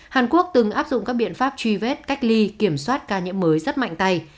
hàn quốc từng áp dụng các biện pháp truy vết cách ly kiểm soát ca nhiễm mới rất mạnh tay